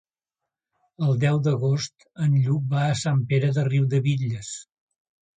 El deu d'agost en Lluc va a Sant Pere de Riudebitlles.